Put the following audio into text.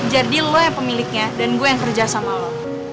jadi lo yang pemiliknya dan gue yang kerja sama lo